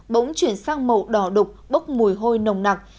bỗng chuyển sang màu đỏ đục bốc mùi hôi nồng nặc